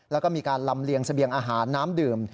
แล้วก็มีการลำเลียงเสบียงอาหารน้ำดื่ม